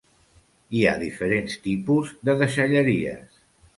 Hi ha diferents tipus de deixalleries.